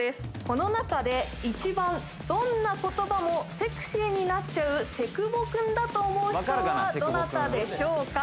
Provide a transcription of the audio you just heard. この中で１番どんな言葉もセクシーになっちゃうセクボくんだと思う人はどなたでしょうか？